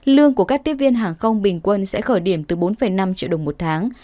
lương của các tiếp viên hàng không bình quân sẽ khởi điểm từ bốn năm triệu đồng một tháng